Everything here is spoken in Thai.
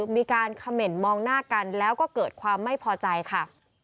มีการเขม่นมองหน้ากันแล้วก็เกิดความไม่พอใจค่ะ